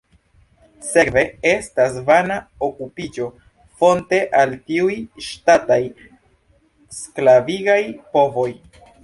Sekve estas vana okupiĝo, fronte al tiuj ŝtataj, sklavigaj povoj.